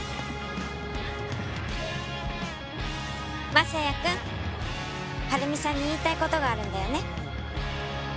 将也くん晴美さんに言いたい事があるんだよね？